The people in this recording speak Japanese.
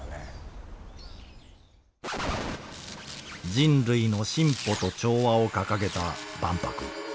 「人類の進歩と調和」を掲げた万博。